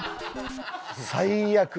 最悪！